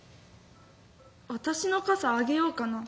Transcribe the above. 私の傘あげようかな？」